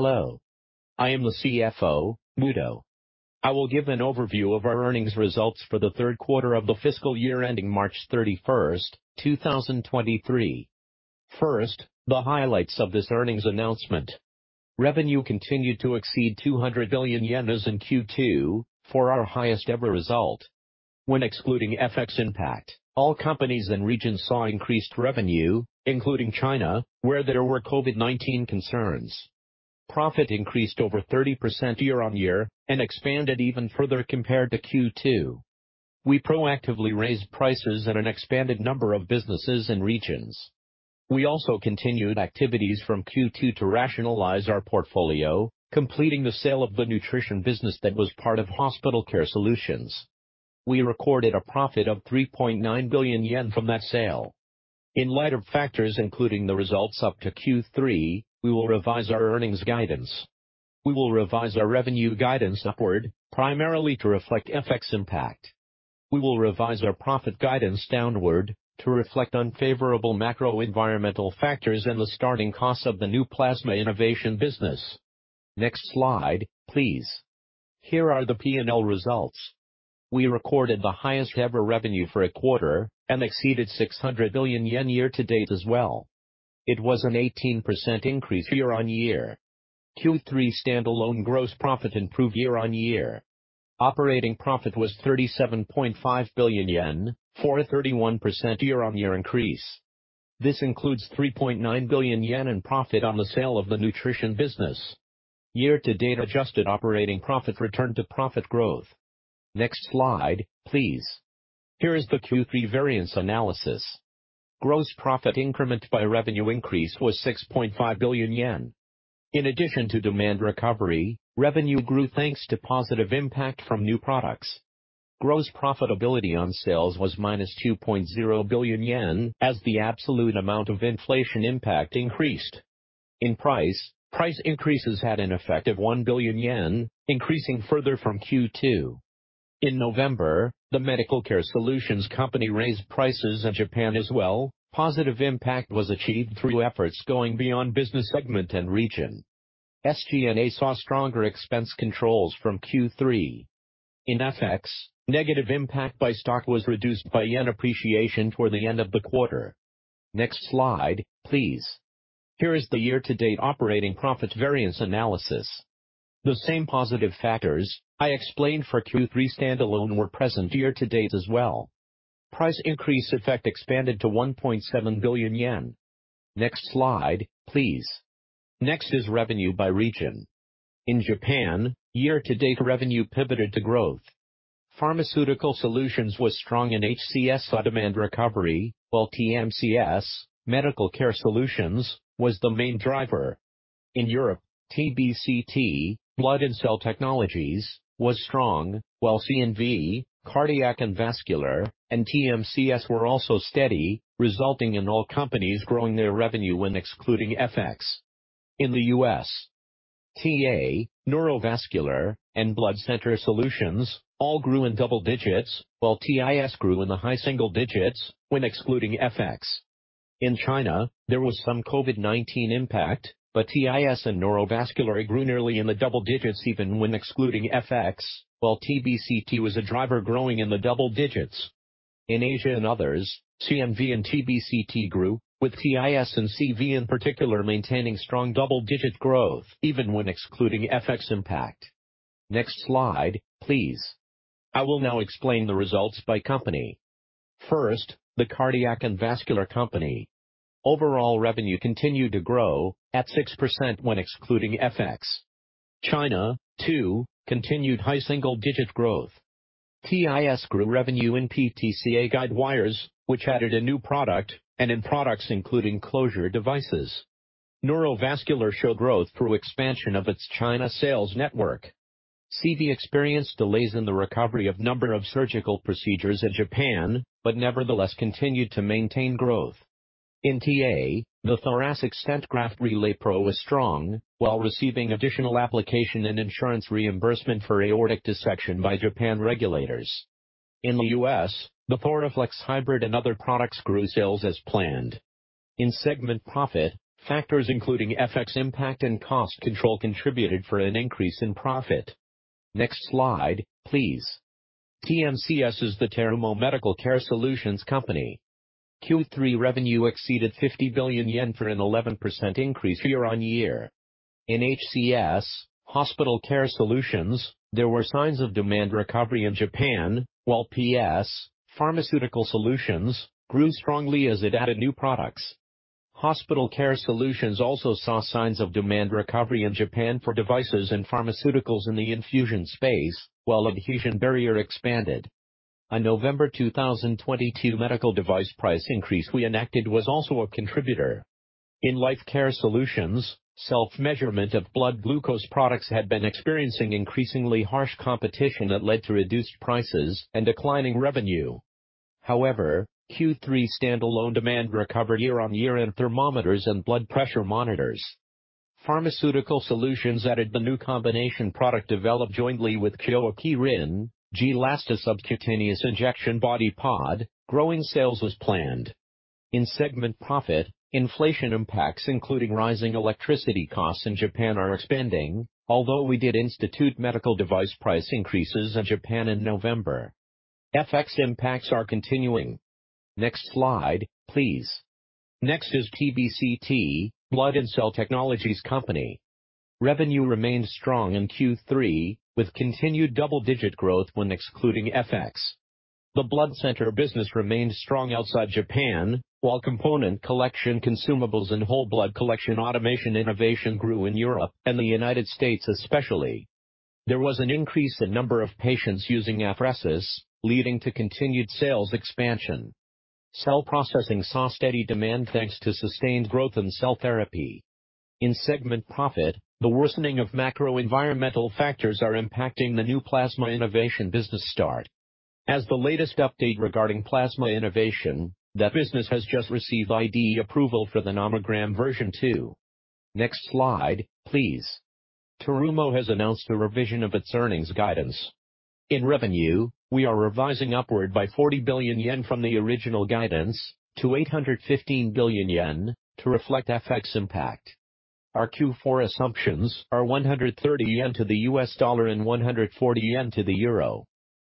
Hello. I am the CFO, Muto. I will give an overview of our earnings results for the third quarter of the fiscal year ending March 31st, 2023. First, the highlights of this earnings announcement. Revenue continued to exceed 200 billion yen in Q2 for our highest ever result. When excluding FX impact, all companies and regions saw increased revenue, including China, where there were COVID-19 concerns. Profit increased over 30% year-over-year and expanded even further compared to Q2. We proactively raised prices at an expanded number of businesses and regions. We also continued activities from Q2 to rationalize our portfolio completing the sale of the nutrition business that was part of Hospital Care Solutions. We recorded a profit of 3.9 billion yen from that sale. In light of factors including the results up to Q3, we will revise our earnings guidance. We will revise our revenue guidance upward primarily to reflect FX impact. We will revise our profit guidance downward to reflect unfavorable macro environmental factors and the starting costs of the new Plasma Innovation business. Next slide, please. Here are the P&L results. We recorded the highest ever revenue for a quarter and exceeded 600 billion yen year-to-date as well. It was an 18% increase year-on-year. Q3 standalone gross profit improved year-on-year. Operating profit was 37.5 billion yen, for a 31% year-on-year increase. This includes 3.9 billion yen in profit on the sale of the nutrition business. Year-to-date adjusted operating profit returned to profit growth. Next slide, please. Here is the Q3 variance analysis. Gross profit increment by revenue increase was 6.5 billion yen. In addition to demand recovery, revenue grew thanks to positive impact from new products. Gross profitability on sales was minus 2.0 billion yen as the absolute amount of inflation impact increased. In price, price increases had an effect of 1 billion yen increasing further from Q2. In November, The Medical Care Solutions Company raised prices in Japan as well. Positive impact was achieved through efforts going beyond business segment and region. SG&A saw stronger expense controls from Q3. In FX, negative impact by stock was reduced by yen appreciation toward the end of the quarter. Next slide, please. Here is the year-to-date operating profit variance analysis. The same positive factors I explained for Q3 standalone were present year-to-date as well. Price increase effect expanded to 1.7 billion yen. Next slide, please. Next is revenue by region. In Japan, year-to-date revenue pivoted to growth. Pharmaceutical Solutions was strong in HCS saw demand recovery while TMCS, Medical Care Solutions, was the main driver. In Europe, TBCT, Blood and Cell Technologies, was strong, while C&V, Cardiac and Vascular, and TMCS were also steady, resulting in all companies growing their revenue when excluding FX. In the U.S., TA, Neurovascular, and Blood Center Solutions all grew in double digits while TIS grew in the high single digits when excluding FX. In China, there was some COVID-19 impact where TIS and Neurovascular grew nearly in the double digits even when excluding FX. TBCT was a driver growing in the double digits. In Asia and others, C&V and TBCT grew with TIS and CV in particular maintaining strong double-digit growth even when excluding FX impact. Next slide, please. I will now explain the results by company. First, the Cardiac and Vascular Company. Overall revenue continued to grow at 6% when excluding FX. China, too, continued high single-digit growth. TIS grew revenue in PTCA guidewires which added a new product and in products including closure devices. Neurovascular showed growth through expansion of its China sales network. CV experienced delays in the recovery of number of surgical procedures in Japan, nevertheless continued to maintain growth. In TA, the thoracic stent graft RelayPro was strong, while receiving additional application and insurance reimbursement for aortic dissection by Japan regulators. In the U.S., the ThorFlex Hybrid and other products grew sales as planned. In segment profit, factors including FX impact and cost control contributed for an increase in profit. Next slide, please. TMCS is the Terumo Medical Care Solutions Company. Q3 revenue exceeded 50 billion yen for an 11% increase year-on-year. In HCS, Hospital Care Solutions, there were signs of demand recovery in Japan, while PS, Pharmaceutical Solutions, grew strongly as it added new products. Hospital Care Solutions also saw signs of demand recovery in Japan for devices and pharmaceuticals in the infusion space, while adhesion barrier expanded. A November 2022 medical device price increase we enacted was also a contributor. In Life Care Solutions, self-measurement of blood glucose products had been experiencing increasingly harsh competition that led to reduced prices and declining revenue. Q3 standalone demand recovered year-on-year in thermometers and blood pressure monitors. Pharmaceutical Solutions added the new combination product developed jointly with Kyowa Kirin, G-Lasta Subcutaneous Injection BodyPod, growing sales as planned. In segment profit, inflation impacts, including rising electricity costs in Japan, are expanding, although we did institute medical device price increases in Japan in November. FX impacts are continuing. Next slide, please. Next is TBCT, Blood and Cell Technologies Company. Revenue remained strong in Q3, with continued double-digit growth when excluding FX. The blood center business remained strong outside Japan, while component collection consumables and whole blood collection automation innovation grew in Europe and the United States especially. There was an increase in number of patients using apheresis, leading to continued sales expansion. Cell processing saw steady demand thanks to sustained growth in cell therapy. Segment profit, the worsening of macro environmental factors are impacting the new Plasma Innovation business start. The latest update regarding Plasma Innovation, that business has just received IDE approval for the Nomogram version two. Next slide, please. Terumo has announced a revision of its earnings guidance. Revenue, we are revising upward by 40 billion yen from the original guidance to 815 billion yen to reflect FX impact. Our Q4 assumptions are 130 yen to the U.S. dollar and 140 yen to the euro.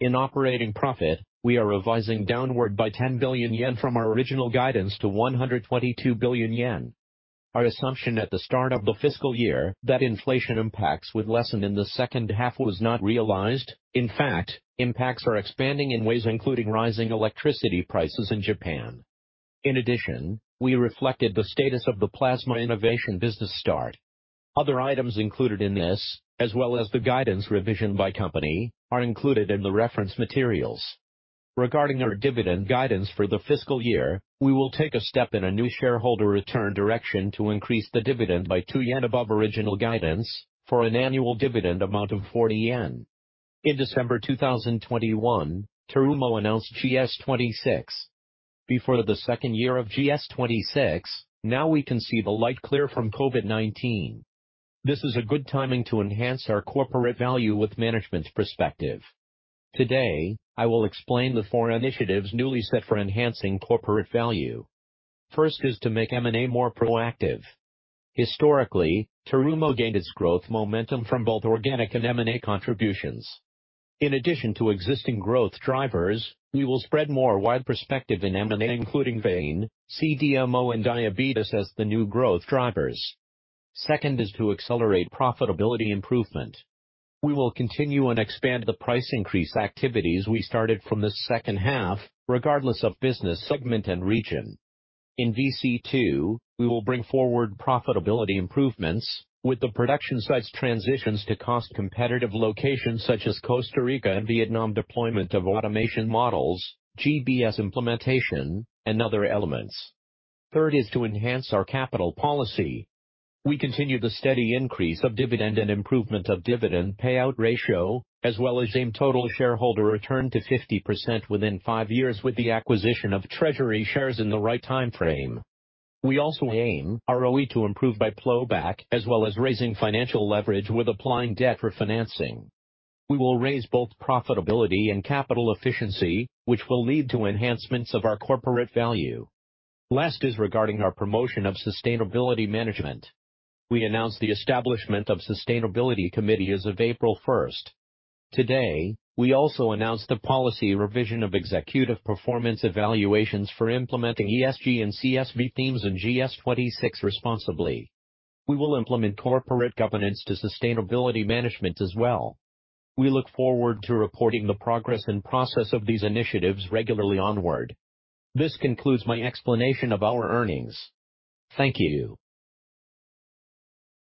In operating profit, we are revising downward by 10 billion yen from our original guidance to 122 billion yen. Our assumption at the start of the fiscal year that inflation impacts would lessen in the second half was not realized. Impacts are expanding in ways including rising electricity prices in Japan. In addition, we reflected the status of the Plasma Innovation business start. Other items included in this as well as the guidance revision by company, are included in the reference materials. Regarding our dividend guidance for the fiscal year, we will take a step in a new shareholder return direction to increase the dividend by 2 yen above original guidance for an annual dividend amount of 40 yen. In December 2021, Terumo announced GS26. Before the second year of GS26, now we can see the light clear from COVID-19. This is a good timing to enhance our corporate value with management's perspective. Today, I will explain the four initiatives newly set for enhancing corporate value. First is to make M&A more proactive. Historically, Terumo gained its growth momentum from both organic and M&A contributions. In addition to existing growth drivers, we will spread more wide perspective in M&A including vein, CDMO and diabetes as the new growth drivers. Second is to accelerate profitability improvement. We will continue and expand the price increase activities we started from the second half regardless of business segment and region. In VC2, we will bring forward profitability improvements with the production sites transitions to cost competitive locations such as Costa Rica and Vietnam, deployment of automation models, GBS implementation, and other elements. Third is to enhance our capital policy. We continue the steady increase of dividend and improvement of dividend payout ratio as well as aim total shareholder return to 50% within 5 years with the acquisition of treasury shares in the right timeframe. We also aim our ROE to improve by plowback as well as raising financial leverage with applying debt for financing. We will raise both profitability and capital efficiency which will lead to enhancements of our corporate value. Last is regarding our promotion of sustainability management. We announced the establishment of Sustainability Committee as of April 1st. Today, we also announced the policy revision of executive performance evaluations for implementing ESG and CSV themes in GS26 responsibly. We will implement corporate governance to sustainability management as well. We look forward to reporting the progress and process of these initiatives regularly onward. This concludes my explanation of our earnings. Thank you.